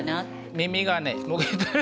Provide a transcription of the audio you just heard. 耳がねもげてる。